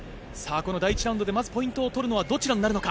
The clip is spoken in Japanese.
この第１ラウンドでポイントを取るのはどちらになるのか。